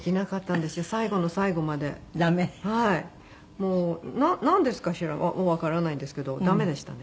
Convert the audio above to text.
もうなんでかはわからないんですけど駄目でしたね。